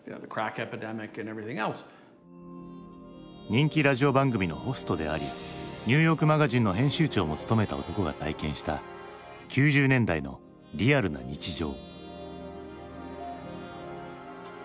人気ラジオ番組のホストであり「ニューヨークマガジン」の編集長も務めた男が体験した９０年代のリアルな日常。